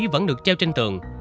vẫn được treo trên tường